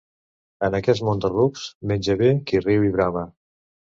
En aquest món de rucs, menja bé qui riu i brama.